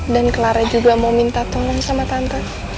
dan clara juga mau minta tolong sama tante